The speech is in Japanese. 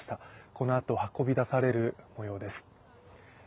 このあと運び出されるもようです。